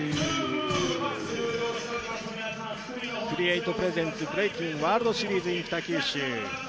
ＣｒｅａｔｅＰｒｅｓｅｎｔｓブレイキンワールドシリーズｉｎ北九州。